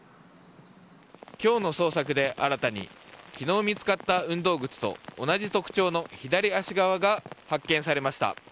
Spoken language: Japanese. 今日の捜索で新たに昨日見つかった運動靴と同じ特徴の左足側が発見されました。